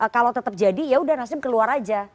kalau tetap jadi yaudah nasdem keluar aja